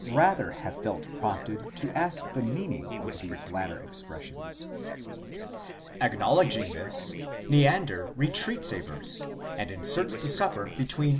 § 122. rather have felt prompted to ask the meaning of these latter expressions. — Acknowledging this, Neander retreats a verse, and inserts the Supper between v.